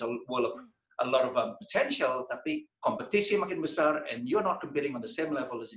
ada banyak potensi tapi kompetisi makin besar dan kita tidak berkompetisi pada level yang sama